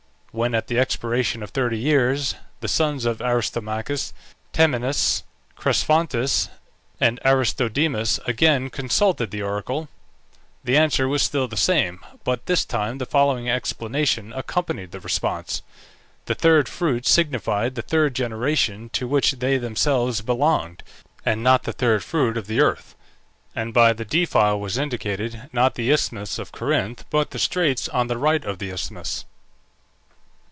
When, at the expiration of thirty years, the sons of Aristomachus, Temenus, Cresphontes, and Aristodemus again consulted the oracle, the answer was still the same; but this time the following explanation accompanied the response: the third fruit signified the third generation, to which they themselves belonged, and not the third fruit of the earth; and by the defile was indicated, not the isthmus of Corinth, but the straits on the right of the isthmus.